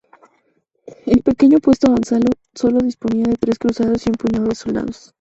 El pequeño puesto avanzado solo disponía de tres cruzados y un puñado de soldados.